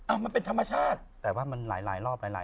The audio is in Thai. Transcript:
มันเป็นธรรมชาติแต่ว่ามันหลายรอบหลาย